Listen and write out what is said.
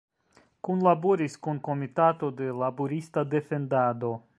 Kunlaboris kun Komitato de Laborista Defendado.